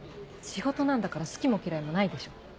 仕事なんだから好きも嫌いもないでしょ。